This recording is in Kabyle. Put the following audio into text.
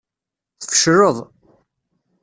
Tfecleḍ.